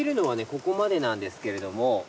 ここまでなんですけれども。